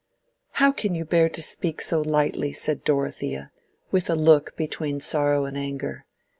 "How can you bear to speak so lightly?" said Dorothea, with a look between sorrow and anger.